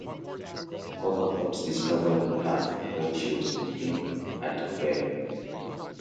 Quaker Oats discovered her when she was cooking at a fair.